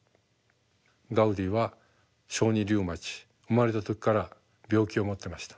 ガウディは小児リウマチ生まれた時から病気を持ってました。